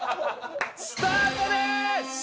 スタートです！